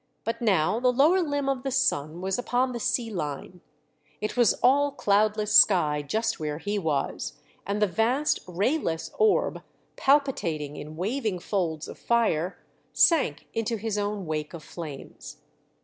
But now the lower limb of the sun was upon the sea line ; 356 THE DEATH SHIP. it was all cloudless sky just where he was, and the vast, rayless orb, palpitating in waving folds of fire, sank into his own wake of flames.